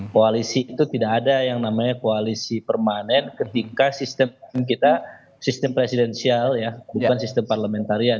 koalisi itu tidak ada yang namanya koalisi permanen ketika sistem kita sistem presidensial ya bukan sistem parlementarian